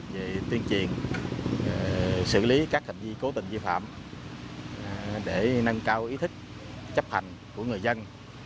về tuyên truyền xử lý các hành vi cố tình vi phạm để nâng cao ý thức chấp hành của người dân